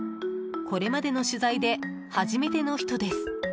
これまでの取材で初めの人です。